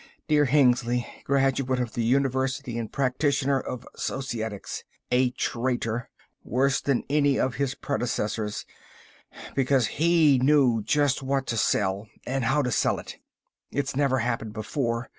Dear Hengly, graduate of the University and Practitioner of Societics. A traitor. A warmonger, worse than any of his predecessors because he knew just what to sell and how to sell it. It's never happened before